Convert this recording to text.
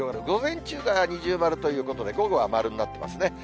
午前中は二重丸ということで、午後は丸になってますね。